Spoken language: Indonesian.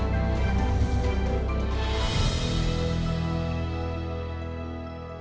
berita terkini mengenai cuaca ekstrem dua ribu dua puluh satu